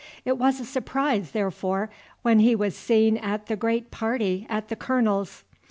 It was a surprise, therefore, when he was seen at the Great Party at the Colonel's.